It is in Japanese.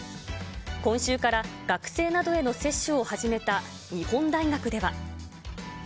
今週から学生などへの接種を始めた日本大学では。